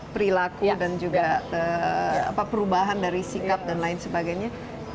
perilaku dan juga perubahan dari sikap dan lain sebagainya